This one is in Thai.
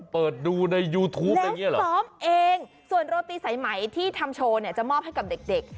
เปิดดูในยูทูปแล้วซ้อมเองส่วนโรตีสายไหมที่ทำโชว์เนี่ยจะมอบให้กับเด็ก